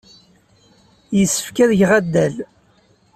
Yessefk ad geɣ addal.